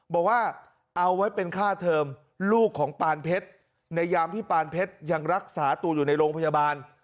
บอกว่าเอาไว้เป็นค่าเทอมลูกของปานเพชรในยามที่ปานเพชรยังรักษาตัวอยู่ในโรงพยาบาล